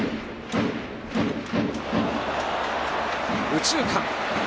右中間！